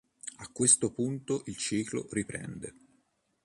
A questo punto il ciclo riprende.